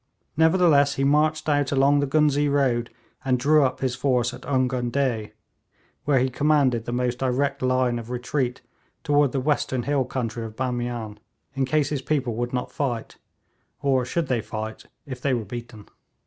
Nevertheless, he marched out along the Ghuznee road, and drew up his force at Urgundeh, where he commanded the most direct line of retreat toward the western hill country of Bamian, in case his people would not fight, or should they fight, if they were beaten.